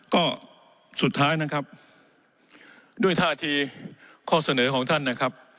ก็สุดท้ายนะครับด้วยท่าทีข้อเสนอของท่านนะครับ